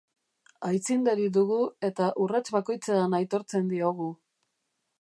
Aitzindari dugu eta urrats bakoitzean aitortzen diogu.